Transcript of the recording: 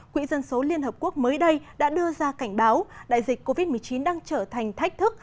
quỹ dân số liên hợp quốc mới đây đã đưa ra cảnh báo đại dịch covid một mươi chín đang trở thành thách thức